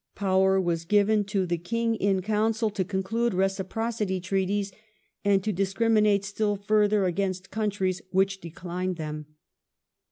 Power was given to the King in Council to conclude reciprocity treaties and to discrimi nate still further against countries which declined them.